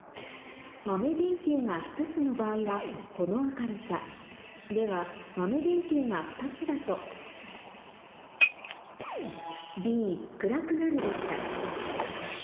豆電球が１つの場合はこの明るさでは豆電球が２つだとだぁ！